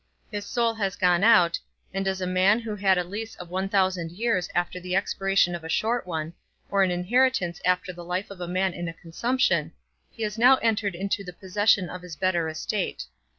His soul is gone out, and as a man who had a lease of one thousand years after the expiration of a short one, or an inheritance after the life of a man in a consumption, he is now entered into the possession of his better estate.